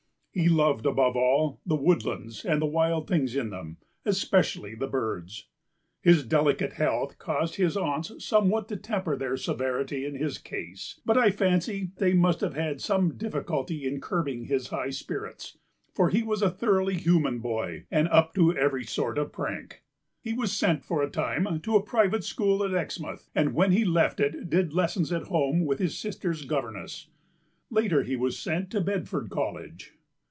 He loved, above all, the woodlands and the wild things in them, especially the birds. His delicate health caused his aunts somewhat to temper their severity in his case, but I fancy they must have had some difficulty in curbing his high spirits; for he was a thoroughly human boy and up to every sort of prank. He was sent for a time to a private school at Exmouth, and when he left it did lessons at home with his sister's governess. Later he was sent to Bedford College.